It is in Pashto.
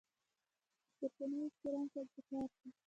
د خسرګنۍ احترام کول پکار دي.